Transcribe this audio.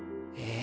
え。